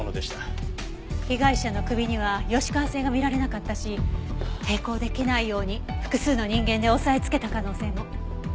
被害者の首には吉川線が見られなかったし抵抗出来ないように複数の人間で押さえつけた可能性も。